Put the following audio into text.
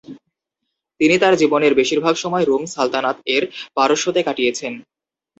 তিনি তার জীবনের বেশিরভাগ সময় রুম সালাতানাত এর পারস্যতে কাটিয়েছেন।